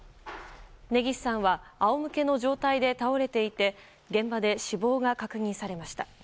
根岸さんは仰向けの状態で倒れていて現場で死亡が確認されました。